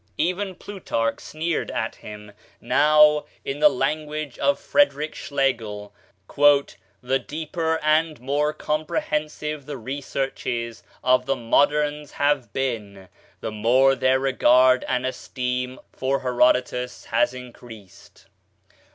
Even Plutarch sneered at him. Now, in the language of Frederick Schlegel, "the deeper and more comprehensive the researches of the moderns have been, the more their regard and esteem for Herodotus has increased."